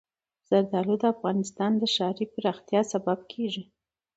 زردالو د افغانستان د ښاري پراختیا سبب کېږي.